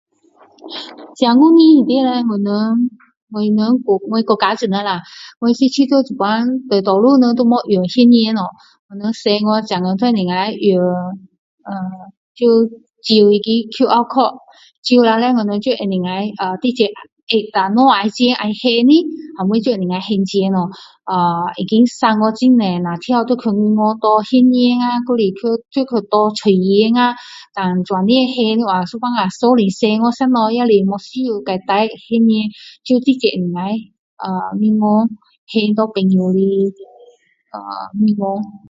現如今裡面叻我們我國家這裡啦 我是覺得現在現在大多數人都沒用現錢了我們出去大多數都能夠用呃照照那個QR Code照了我們就能夠直接按下多少錢要還的後面就能夠還錢了呃已經省了很多那一直去銀行拿現錢啊還是要去拿碎錢啊檔這樣還的話有時候出去哇吃東西不需要再帶現錢就直接能夠呃銀行還給朋友的呃銀行